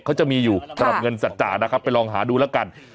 เขาจะมีอยู่สำหรับเงินสัจจานะครับไปลองหาดูแล้วกัน